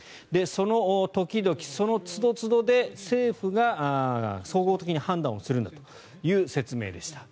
その時々そのつどつどで政府が総合的に判断をするんだという説明でした。